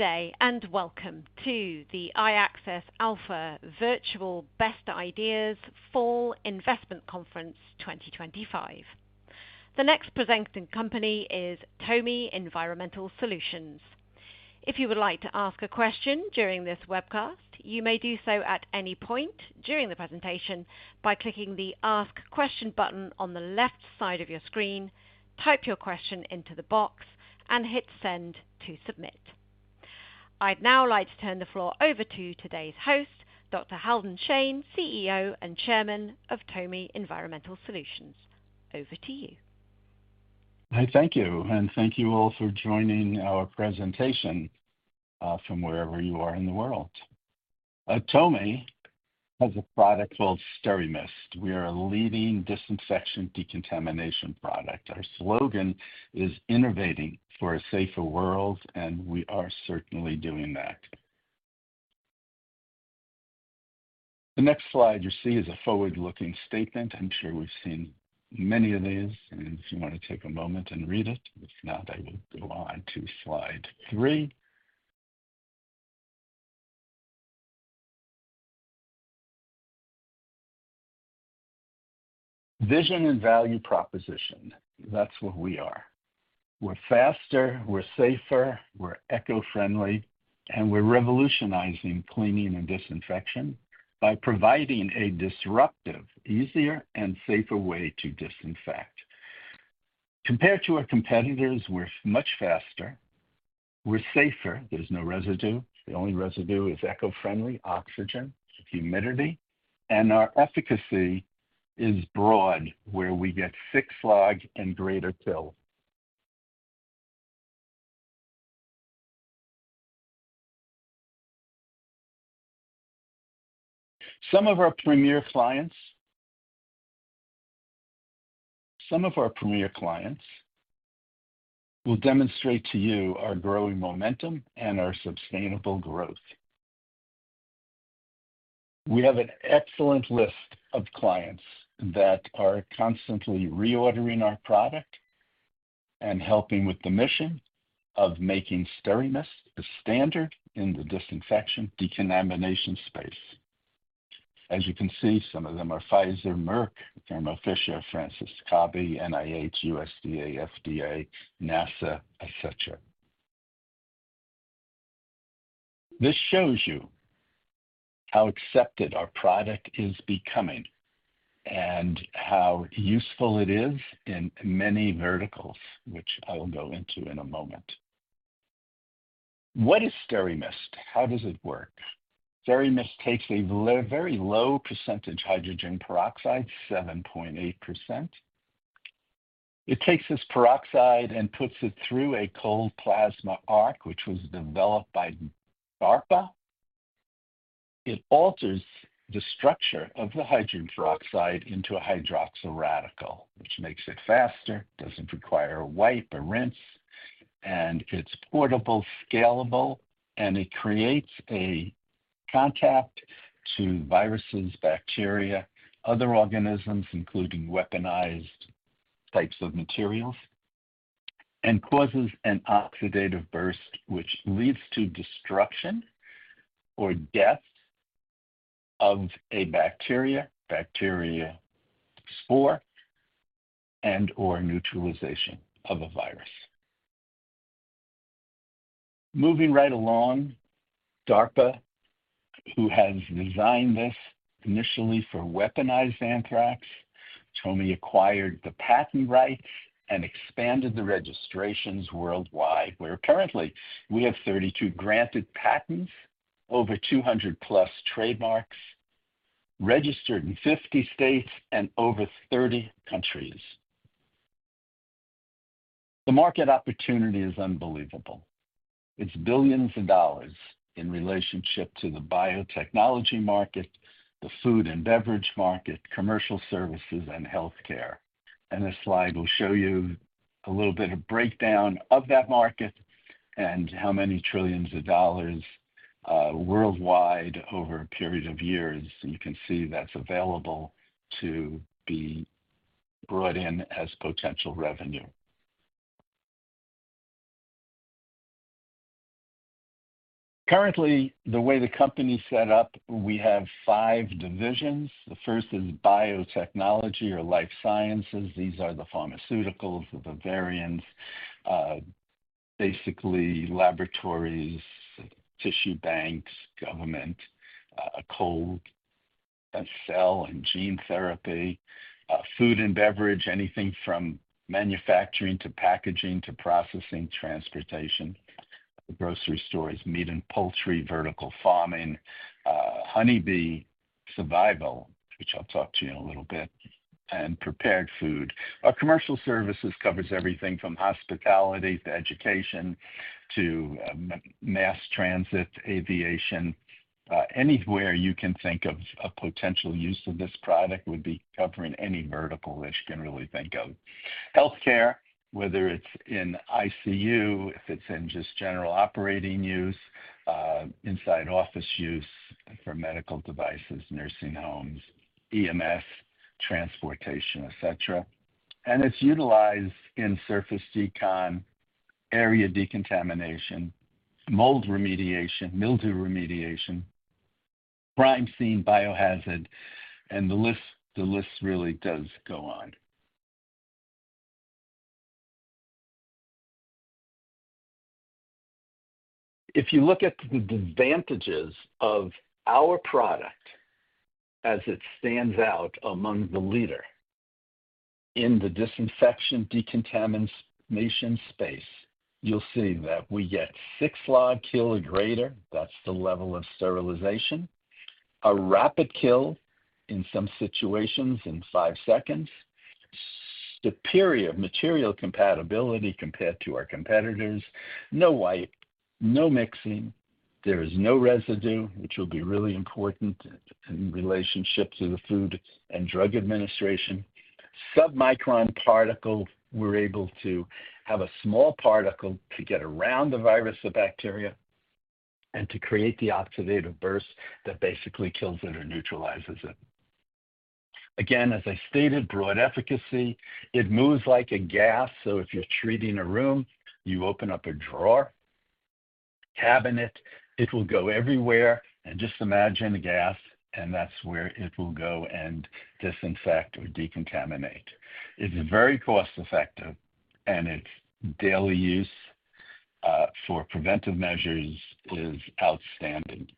Good day and welcome to the iAccess Alpha Virtual Best Ideas Fall Investment Conference 2025. The next presenting company is TOMI Environmental Solutions. If you would like to ask a question during this webcast, you may do so at any point during the presentation by clicking the Ask Question button on the left side of your screen, type your question into the box, and hit Send to submit. I'd now like to turn the floor over to today's host, Dr. Halden Shane, CEO and Chairman of TOMI Environmental Solutions. Over to you. Thank you, and thank you all for joining our presentation from wherever you are in the world. TOMI has a product called SteraMist. We are a leading disinfection decontamination product. Our slogan is "Innovating for a safer world," and we are certainly doing that. The next slide you see is a forward-looking statement. I'm sure we've seen many of these, and if you want to take a moment and read it, if not, I will go on to slide three. Vision and value proposition, that's what we are. We're faster, we're safer, we're eco-friendly, and we're revolutionizing cleaning and disinfection by providing a disruptive, easier, and safer way to disinfect. Compared to our competitors, we're much faster, we're safer, there's no residue. The only residue is eco-friendly oxygen, humidity, and our efficacy is broad, where we get six logs and greater kill. Some of our premier clients will demonstrate to you our growing momentum and our sustainable growth. We have an excellent list of clients that are constantly reordering our product and helping with the mission of making SteraMist a standard in the disinfection decontamination space. As you can see, some of them are Pfizer, Merck, Pharmacia, Fresenius Kabi, NIH, USDA, FDA, NASA, etc. This shows you how accepted our product is becoming and how useful it is in many verticals, which I'll go into in a moment. What is SteraMist? How does it work? SteraMist takes a very low percentage hydrogen peroxide, 7.8%. It takes this peroxide and puts it through a cold plasma arc, which was developed by DARPA. It alters the structure of the hydrogen peroxide into a hydroxyl radical, which makes it faster, doesn't require a wipe or rinse, and it's portable, scalable, and it creates a contact to viruses, bacteria, other organisms, including weaponized types of materials, and causes an oxidative burst, which leads to destruction or death of a bacteria, bacteria spore, and/or neutralization of a virus. Moving right along, DARPA, who has designed this initially for weaponized anthrax, TOMI acquired the patent rights and expanded the registrations worldwide, where currently we have 32 granted patents, over 200 plus trademarks registered in 50 states and over 30 countries. The market opportunity is unbelievable. It's billions of dollars in relationship to the biotechnology market, the food and beverage market, commercial services, and healthcare. This slide will show you a little bit of breakdown of that market and how many trillions of dollars worldwide over a period of years. You can see that's available to be brought in as potential revenue. Currently, the way the company is set up, we have five divisions. The first is biotechnology or life sciences. These are the pharmaceuticals, the variants, basically laboratories, tissue banks, government, cold and cell and gene therapy, food and beverage, anything from manufacturing to packaging to processing, transportation, grocery stores, meat and poultry, vertical farming, honeybee survival, which I'll talk to you in a little bit, and prepared food. Our commercial services cover everything from hospitality to education to mass transit, aviation. Anywhere you can think of a potential use of this product would be covering any vertical that you can really think of. Healthcare, whether it's in ICU, if it's in just general operating use, inside office use for medical devices, nursing homes, EMS, transportation, etc. It's utilized in surface decon, area decontamination, mold remediation, mildew remediation, crime scene biohazard, and the list really does go on. If you look at the advantages of our product as it stands out among the leader in the disinfection decontamination space, you'll see that we get six log kill or greater. That's the level of sterilization. A rapid kill in some situations in five seconds. Superior material compatibility compared to our competitors. No wipe, no mixing. There is no residue, which will be really important in relationship to the Food and Drug Administration. Submicron particle, we're able to have a small particle to get around the virus, the bacteria, and to create the oxidative burst that basically kills it or neutralizes it. Again, as I stated, broad efficacy. It moves like a gas. So if you're treating a room, you open up a drawer, cabinet, it will go everywhere. And just imagine a gas, and that's where it will go and disinfect or decontaminate. It's very cost-effective, and its daily use for preventive measures is outstanding.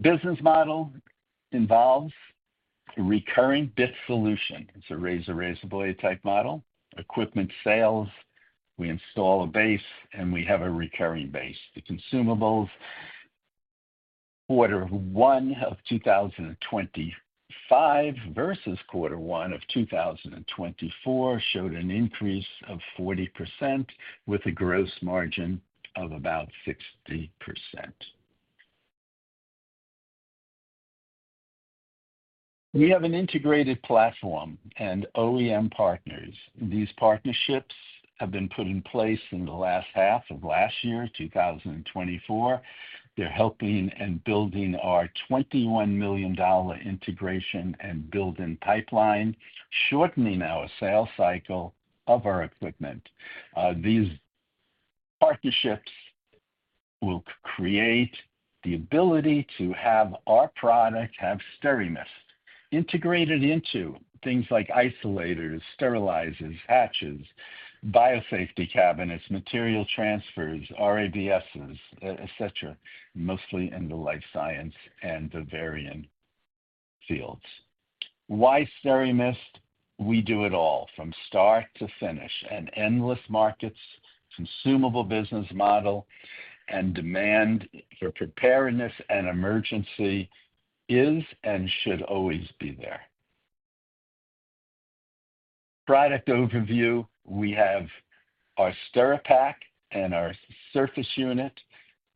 Business model involves recurring bit solution. It's a razor-blade type model. Equipment sales, we install a base, and we have a recurring base. The consumables, quarter one of 2025 versus quarter one of 2024 showed an increase of 40% with a gross margin of about 60%. We have an integrated platform and OEM partners. These partnerships have been put in place in the last half of last year, 2024. They're helping and building our $21 million integration and build-out pipeline, shortening our sales cycle of our equipment. These partnerships will create the ability to have our product have SteraMist integrated into things like isolators, sterilizers, hatches, biosafety cabinets, material transfers, RABSs, etc., mostly in the life science and vivarium fields. Why SteraMist? We do it all from start to finish. An endless markets, consumable business model, and demand for preparedness and emergency is and should always be there. Product overview, we have our SteraPak and our surface unit.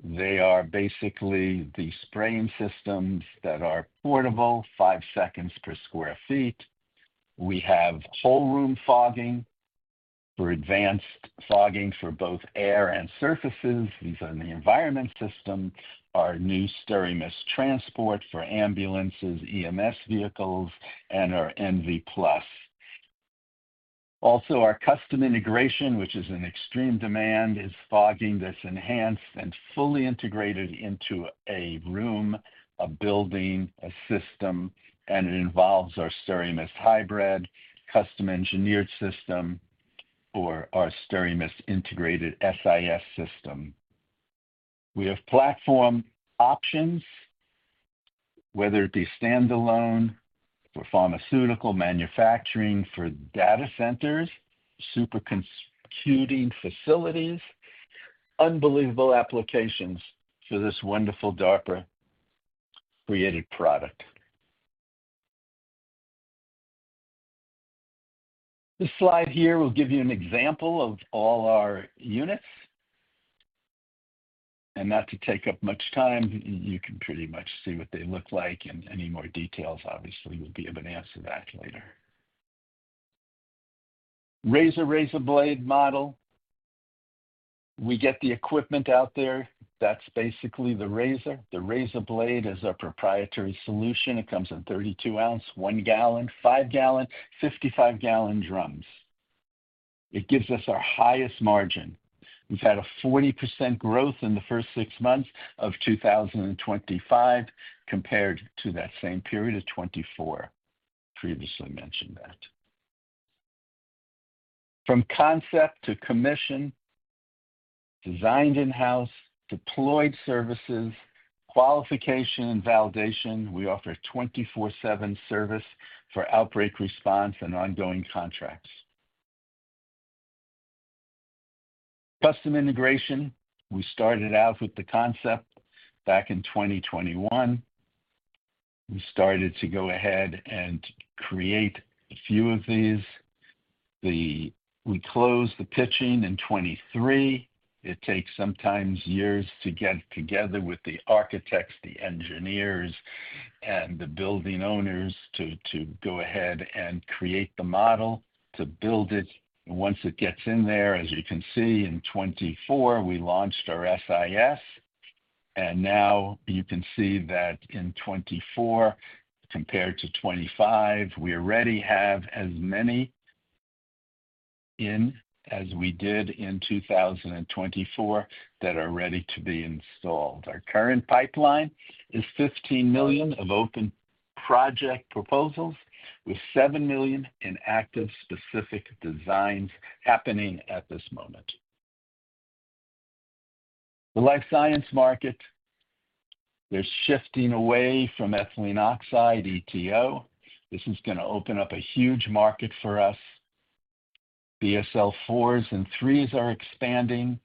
They are basically the spraying systems that are portable, five seconds per sq ft. We have whole room fogging for advanced fogging for both air and surfaces. These are in the environment system. Our new SteraMist Transport for ambulances, EMS vehicles, and our NV Plus. Also, our custom integration, which is in extreme demand, is fogging that's enhanced and fully integrated into a room, a building, a system, and it involves our SteraMist Hybrid custom engineered system or our SteraMist Integrated SIS system. We have platform options, whether it be standalone for pharmaceutical manufacturing, for data centers, supercomputing facilities, unbelievable applications for this wonderful DARPA-created product. This slide here will give you an example of all our units, and not to take up much time, you can pretty much see what they look like, and any more details, obviously, we'll be able to answer that later. Razor-razorblade model. We get the equipment out there. That's basically the razor. The razor blade is our proprietary solution. It comes in 32-ounce, one-gallon, five-gallon, 55-gallon drums. It gives us our highest margin. We've had a 40% growth in the first six months of 2025 compared to that same period of 2024. I previously mentioned that. From concept to commission, designed in-house, deployed services, qualification, and validation, we offer 24/7 service for outbreak response and ongoing contracts. Custom integration. We started out with the concept back in 2021. We started to go ahead and create a few of these. We closed the pitching in 2023. It takes sometimes years to get together with the architects, the engineers, and the building owners to go ahead and create the model to build it. Once it gets in there, as you can see, in 2024, we launched our SIS. Now you can see that in 2024, compared to 2025, we already have as many in as we did in 2024 that are ready to be installed. Our current pipeline is $15 million of open project proposals with $7 million in active specific designs happening at this moment. The life science market, they're shifting away from ethylene oxide, EtO. This is going to open up a huge market for us. BSL-4s and 3s are expanding.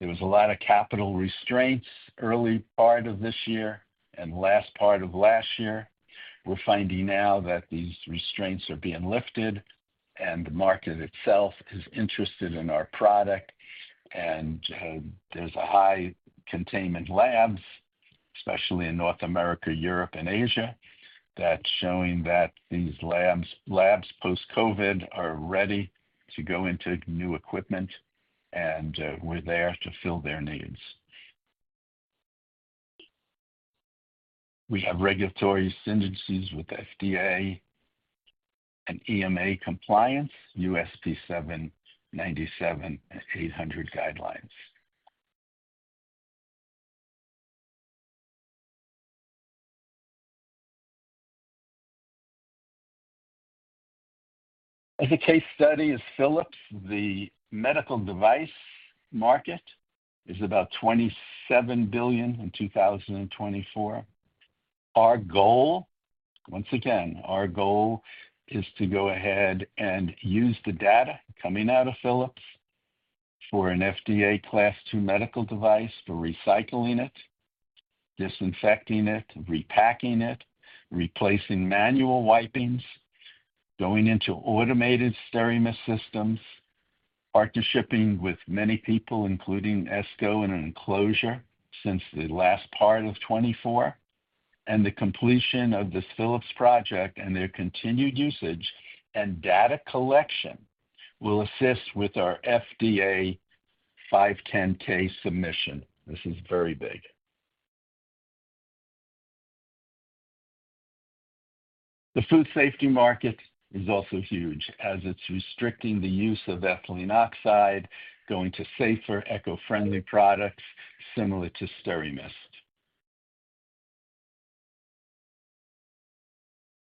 There was a lot of capital restraints early part of this year and last part of last year. We're finding now that these restraints are being lifted and the market itself is interested in our product. And there's a high containment labs, especially in North America, Europe, and Asia, that's showing that these labs post-COVID are ready to go into new equipment, and we're there to fill their needs. We have regulatory synergies with FDA and EMA compliance, USP 797 and 800 guidelines. As a case study is Philips, the medical device market is about $27 billion in 2024. Our goal, once again, our goal is to go ahead and use the data coming out of Philips for an FDA Class 2 medical device for recycling it, disinfecting it, repacking it, replacing manual wipings, going into automated SteraMist systems, partnering with many people, including Esco and enclosures since the last part of 2024, and the completion of this Philips project and their continued usage and data collection will assist with our FDA 510(k) submission. This is very big. The food safety market is also huge as it's restricting the use of ethylene oxide, going to safer, eco-friendly products similar to SteraMist.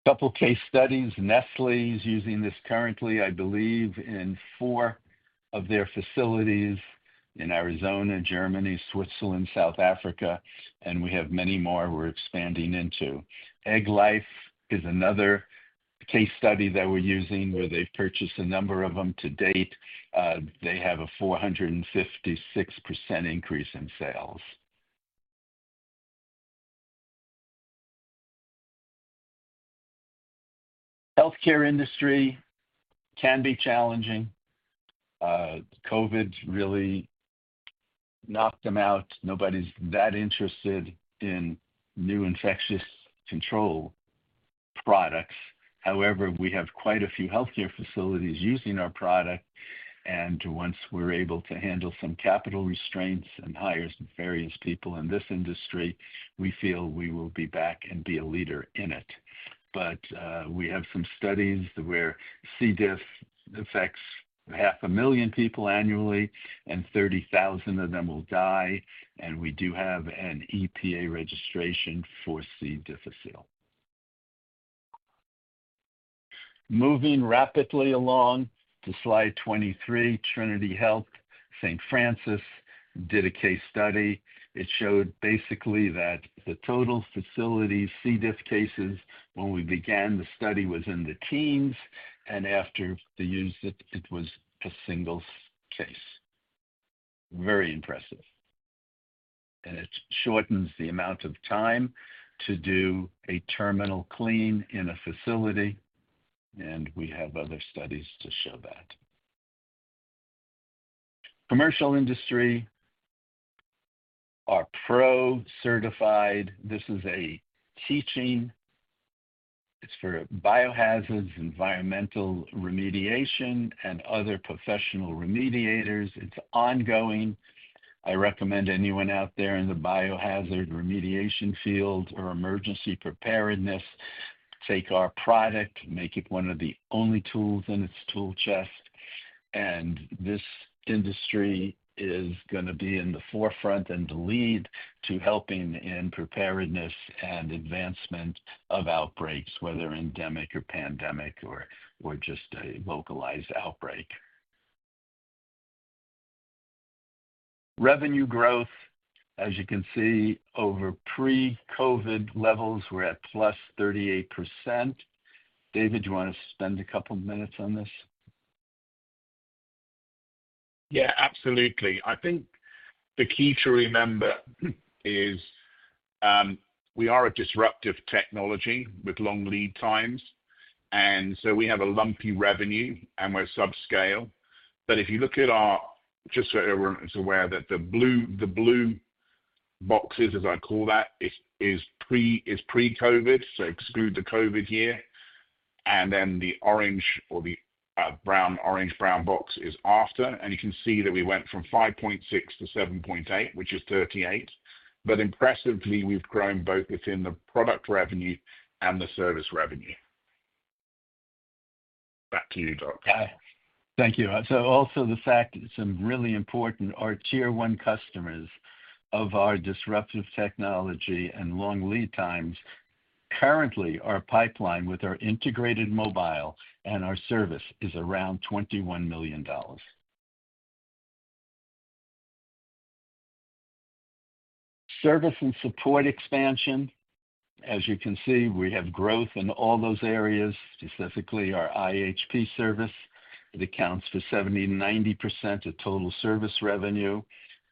A couple of case studies, Nestlé is using this currently, I believe, in four of their facilities in Arizona, Germany, Switzerland, South Africa, and we have many more we're expanding into. Egglife is another case study that we're using where they've purchased a number of them to date. They have a 456% increase in sales. Healthcare industry can be challenging. COVID really knocked them out. Nobody's that interested in new infectious control products. However, we have quite a few healthcare facilities using our product. And once we're able to handle some capital restraints and hires various people in this industry, we feel we will be back and be a leader in it. But we have some studies where C. diff affects 500,000 people annually, and 30,000 of them will die. And we do have an EPA registration for C. difficile. Moving rapidly along to slide 23, Trinity Health, St. Francis did a case study. It showed basically that the total facility C. diff cases when we began the study was in the teens, and after they used it, it was a single case. Very impressive. And it shortens the amount of time to do a terminal clean in a facility. And we have other studies to show that. Commercial industry, our PRO Certified. This is a teaching. It's for biohazards, environmental remediation, and other professional remediators. It's ongoing. I recommend anyone out there in the biohazard remediation field or emergency preparedness take our product, make it one of the only tools in its tool chest. And this industry is going to be in the forefront and the lead to helping in preparedness and advancement of outbreaks, whether endemic or pandemic or just a localized outbreak. Revenue growth, as you can see over pre-COVID levels, we're at plus 38%. David, do you want to spend a couple of minutes on this? Yeah, absolutely. I think the key to remember is we are a disruptive technology with long lead times, and so we have a lumpy revenue, and we're subscale, but if you look at our just so everyone is aware that the blue boxes, as I call that, is pre-COVID, so exclude the COVID year, and then the orange or the brown orange-brown box is after, and you can see that we went from 5.6 to 7.8, which is 38%, but impressively, we've grown both within the product revenue and the service revenue. Back to you, Doc. Thank you, so also the fact that some really important are tier one customers of our disruptive technology and long lead times. Currently, our pipeline with our integrated mobile and our service is around $21 million. Service and support expansion. As you can see, we have growth in all those areas, specifically our iHP service. It accounts for 70%-90% of total service revenue.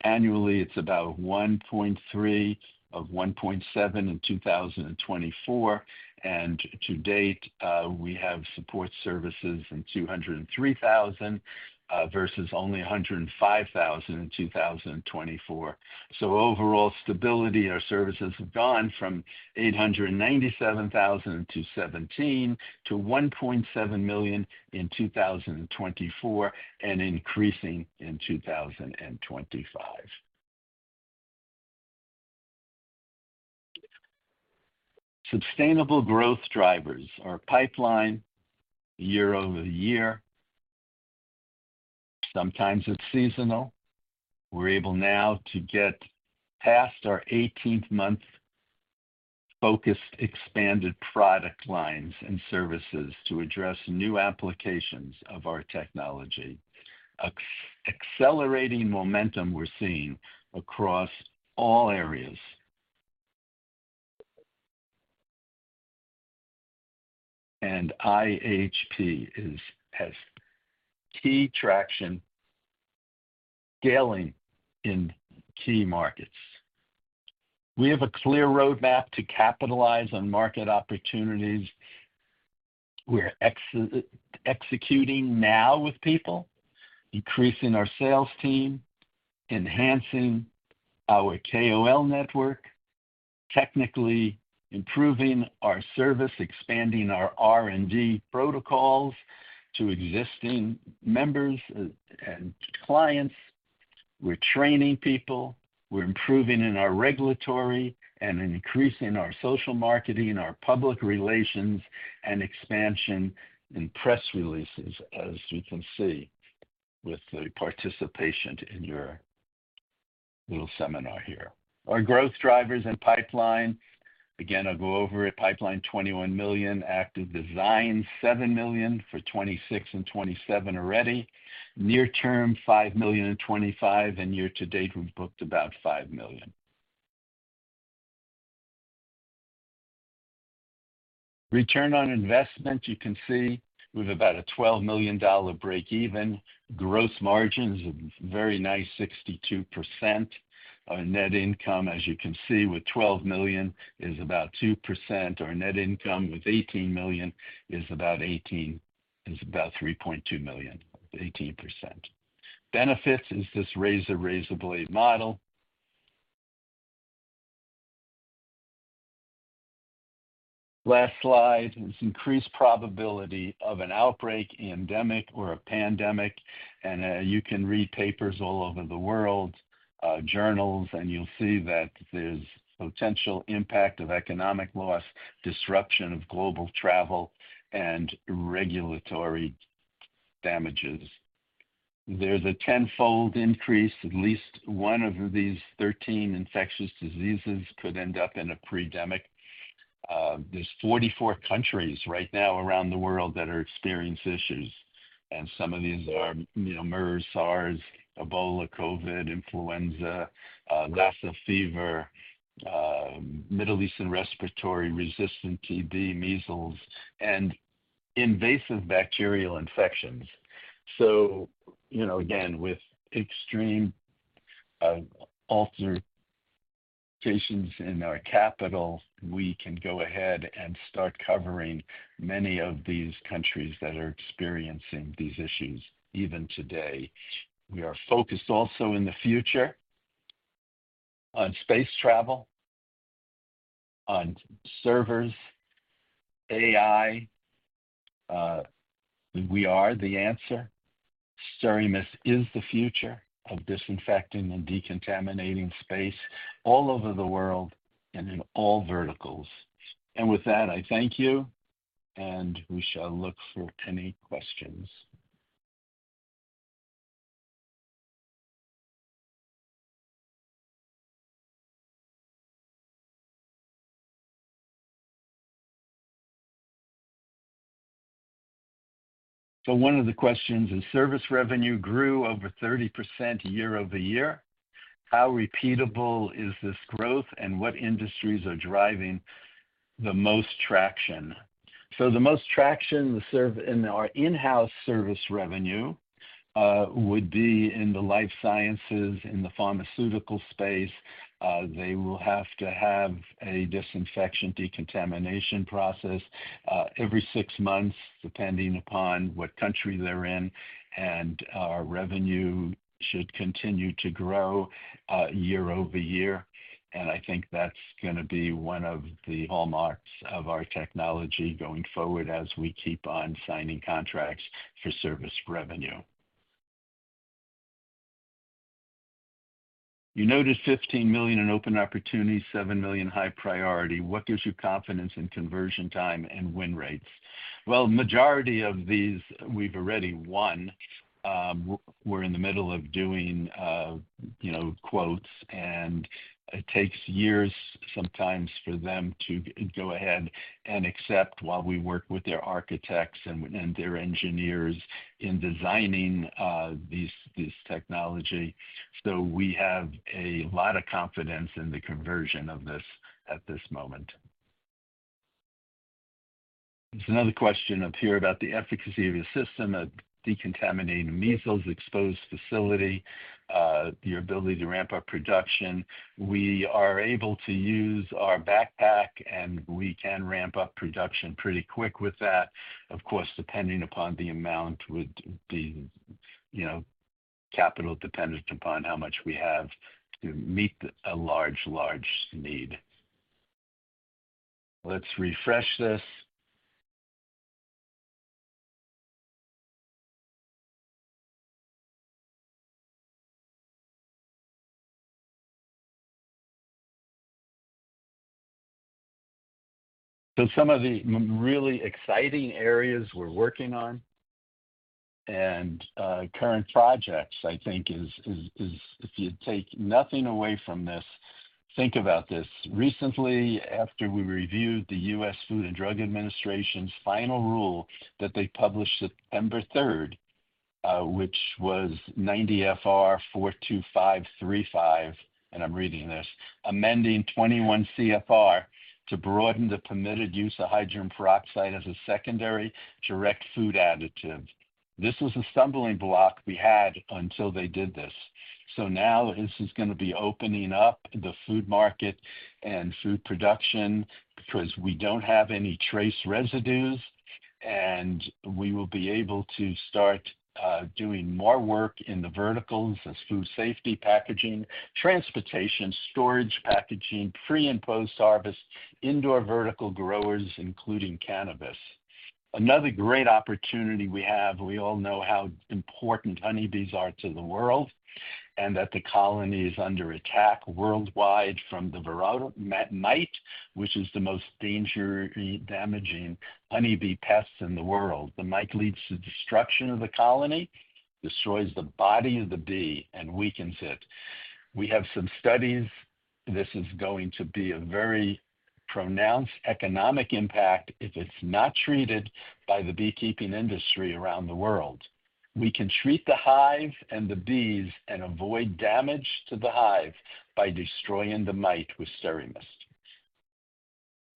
Annually, it's about $1.3 million of $1.7 million in 2024. And to date, we have support services in $203,000 versus only $105,000 in 2024. So overall stability, our services have gone from $897,000 in 2017 to $1.7 million in 2024 and increasing in 2025. Sustainable growth drivers are pipeline year-over-year. Sometimes it's seasonal. We're able now to get past our 18th month focused expanded product lines and services to address new applications of our technology. Accelerating momentum we're seeing across all areas. And iHP has key traction scaling in key markets. We have a clear roadmap to capitalize on market opportunities. We're executing now with people, increasing our sales team, enhancing our KOL network, technically improving our service, expanding our R&D protocols to existing members and clients. We're training people. We're improving in our regulatory and increasing our social marketing, our public relations, and expansion in press releases, as you can see with the participation in your little seminar here. Our growth drivers and pipeline. Again, I'll go over it. Pipeline $21 million, active design $7 million for 2026 and 2027 already. Near-term $5 million in 2025. And year to date, we've booked about $5 million. Return on investment, you can see we've about a $12 million break-even. Gross margins are very nice, 62%. Our net income, as you can see, with $12 million is about 2%. Our net income with $18 million is about $3.2 million, 18%. Benefits is this razor-razorblade model. Last slide is increased probability of an outbreak, endemic, or a pandemic. You can read papers all over the world, journals, and you'll see that there's potential impact of economic loss, disruption of global travel, and regulatory damages. There's a tenfold increase. At least one of these 13 infectious diseases could end up in a pandemic. There's 44 countries right now around the world that are experiencing issues. Some of these are MERS, SARS, Ebola, COVID, influenza, Lassa fever, Middle East respiratory syndrome, TB, measles, and invasive bacterial infections. So again, with extreme alterations in our capital, we can go ahead and start covering many of these countries that are experiencing these issues even today. We are focused also in the future on space travel, on servers, AI. We are the answer. SteraMist is the future of disinfecting and decontaminating space all over the world and in all verticals. With that, I thank you. We shall look for any questions. One of the questions is service revenue grew over 30% year-over-year. How repeatable is this growth, and what industries are driving the most traction? The most traction in our in-house service revenue would be in the life sciences, in the pharmaceutical space. They will have to have a disinfection decontamination process every six months, depending upon what country they're in. Our revenue should continue to grow year-over-year. I think that's going to be one of the hallmarks of our technology going forward as we keep on signing contracts for service revenue. You noted $15 million in open opportunities, $7 million high priority. What gives you confidence in conversion time and win rates? The majority of these we've already won. We're in the middle of doing quotes. It takes years sometimes for them to go ahead and accept while we work with their architects and their engineers in designing this technology. So we have a lot of confidence in the conversion of this at this moment. There's another question up here about the efficacy of the system of decontaminating measles, exposed facility, your ability to ramp up production. We are able to use our backpack, and we can ramp up production pretty quick with that. Of course, depending upon the amount would be capital dependent upon how much we have to meet a large, large need. Let's refresh this. So some of the really exciting areas we're working on and current projects, I think, is if you take nothing away from this, think about this. Recently, after we reviewed the U.S. Food and Drug Administration's final rule that they published September 3rd, which was 90 FR 42535, and I'm reading this, amending 21 CFR to broaden the permitted use of hydrogen peroxide as a secondary direct food additive. This was a stumbling block we had until they did this. So now this is going to be opening up the food market and food production because we don't have any trace residues. And we will be able to start doing more work in the verticals as food safety, packaging, transportation, storage, packaging, pre and post-harvest, indoor vertical growers, including cannabis. Another great opportunity we have. We all know how important honeybees are to the world and that the colony is under attack worldwide from the Varroa mite, which is the most dangerous damaging honeybee pest in the world. The mite leads to destruction of the colony, destroys the body of the bee, and weakens it. We have some studies. This is going to be a very pronounced economic impact if it's not treated by the beekeeping industry around the world. We can treat the hive and the bees and avoid damage to the hive by destroying the mite with SteraMist.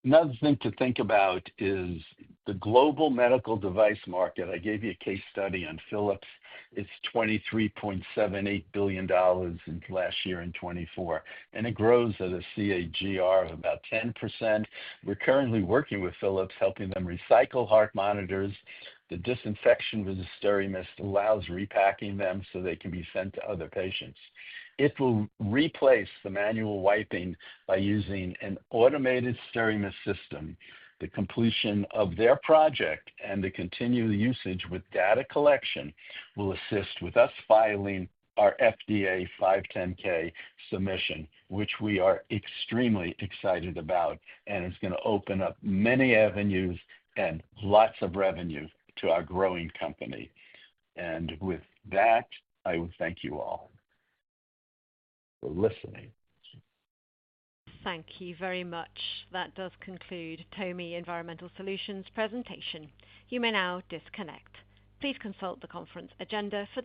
Another thing to think about is the global medical device market. I gave you a case study on Philips. It's $23.78 billion last year in 2024, and it grows at a CAGR of about 10%. We're currently working with Philips, helping them recycle heart monitors. The disinfection with the SteraMist allows repacking them so they can be sent to other patients. It will replace the manual wiping by using an automated SteraMist system. The completion of their project and the continued usage with data collection will assist with us filing our FDA 510(k) submission, which we are extremely excited about. And it's going to open up many avenues and lots of revenue to our growing company. And with that, I would thank you all for listening. Thank you very much. That does conclude TOMI Environmental Solutions presentation. You may now disconnect. Please consult the conference agenda for.